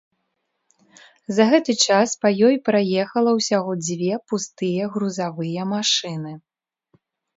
За гэты час па ёй праехала ўсяго дзве пустыя грузавыя машыны.